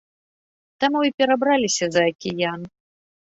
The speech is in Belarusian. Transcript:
Таму і перабраліся за акіян.